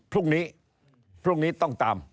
พรุ่งนี้ต้องตาม